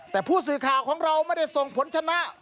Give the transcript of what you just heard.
แต่ผู้สื่อข่าวของเราไม่ได้ส่งผลชนะ